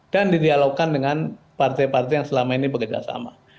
dan didialogkan dengan partai partai yang selama ini bekerjasama